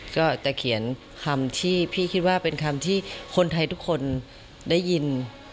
ก็จะเขียนคำที่พี่คิดว่าเป็นคำที่คนไทยทุกคนได้ยิน